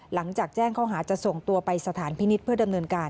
หลังจากแจ้งข้อหาจะส่งตัวไปสถานพินิษฐ์เพื่อดำเนินการ